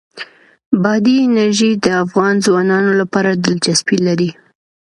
بادي انرژي د افغان ځوانانو لپاره دلچسپي لري.